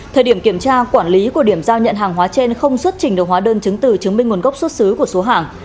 thời điểm kiểm tra quản lý của điểm giao nhận hàng hóa trên không xuất trình được hóa đơn chứng từ chứng minh nguồn gốc xuất xứ của số hàng